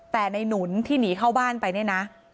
แต่ในหนุนที่หนีเข้าบ้านไปเนี่ยนะ